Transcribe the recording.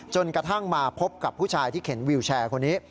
จนกระทั่งมาพบกับผู้ชายที่เข็นวิวแชร์คนนี้